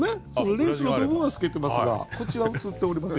レースの部分は透けてますが口は映っておりませんよ。